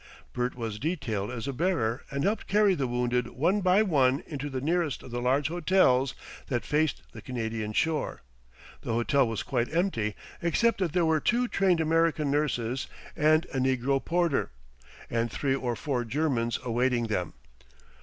Bert was detailed as a bearer and helped carry the wounded one by one into the nearest of the large hotels that faced the Canadian shore. The hotel was quite empty except that there were two trained American nurses and a negro porter, and three or four Germans awaiting them.